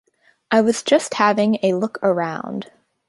I was just having a look round.